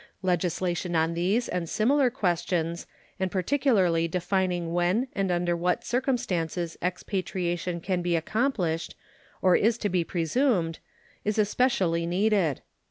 Legislation on these and similar questions, and particularly defining when and under what circumstances expatriation can be accomplished or is to be presumed, is especially needed.